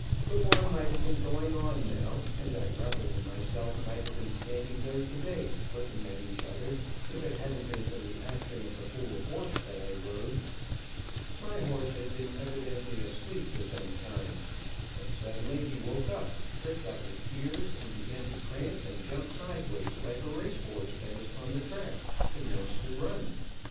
The war might have been going on now, and that rebel and myself might have been standing there today, looking at each other, if it hadn't been for the action of the fool horse that I rode. My horse had been evidently asleep for some time, but suddenly he woke up, pricked up his ears, and began to prance, and jump sideways like a race horse that is on the track, and wants to run.